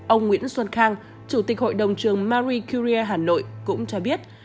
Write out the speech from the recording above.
ông nguyễn xuân khang chủ tịch hội đồng trường marie curie hà nội cũng cho biết